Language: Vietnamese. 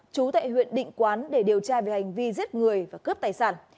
chú tại huyện định quán để điều tra về hành vi giết người và cướp tài sản